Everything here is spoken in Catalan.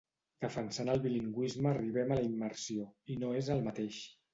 Defensant el bilingüisme arribem a la immersió, i no és el mateix.